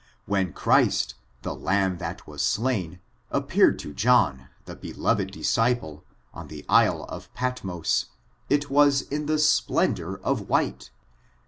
When Christ, the Lamb that was slain, ap peared to John, the beloved disciple, on the isle of Patmos, it was in the splendor of white.